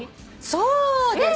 そうです。